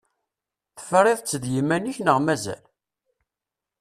Tefriḍ-tt d yiman-ik neɣ mazal?